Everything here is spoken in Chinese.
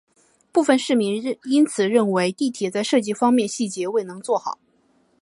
部分市民因此认为地铁在设计方面细节未能做好。